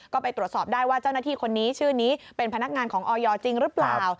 ก็ไปตรวจสอบได้ว่าเจ้าหน้าที่คนนี้ชื่อนี้เป็นพนักงานของออยจริงหรือเปล่า